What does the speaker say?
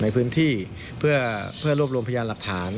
ในพื้นที่เพื่อรวบรวมพยานหลักฐาน